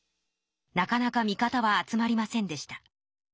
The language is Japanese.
なかなか味方は集まりませんでした。